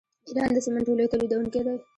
ایران د سمنټو لوی تولیدونکی دی.